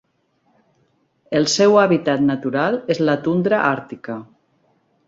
El seu hàbitat natural és la tundra àrtica.